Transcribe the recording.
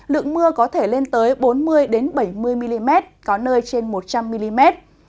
lượng mưa có thể lên tới bốn mươi bảy mươi mm có nơi trên một trăm linh mm